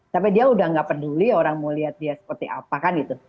tapi dia udah gak peduli orang mau lihat dia seperti apa kan gitu